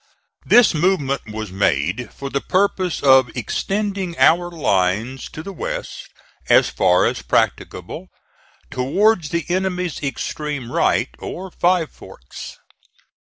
This movement was made for the purpose of extending our lines to the west as far as practicable towards the enemy's extreme right, or Five Forks.